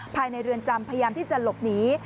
ภายในเรือนจำพยายามที่จะหลบหนี